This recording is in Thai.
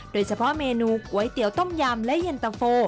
โดยเฉพาะเมนูก๋วยเตี๋ยวต้มยำและเย็นตะโฟ